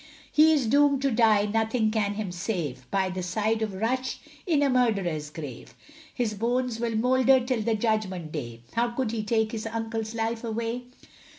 He is doomed to die, nothing can him save, By the side of Rush in a murderer's grave; His bones will moulder till the Judgment day, How could he take his uncle's life away?